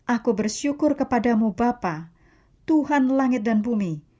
aku bersyukur kepadamu bapak tuhan langit dan bumi